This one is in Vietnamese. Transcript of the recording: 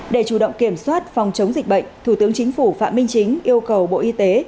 để chủ động kiểm soát phòng chống dịch bệnh thủ tướng chính phủ phạm minh chính yêu cầu bộ y tế